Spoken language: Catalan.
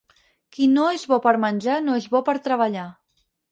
Qui no és bo per menjar no és bo per treballar.